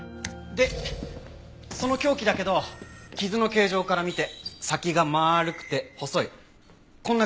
でその凶器だけど傷の形状から見て先が丸くて細いこんな感じのもの。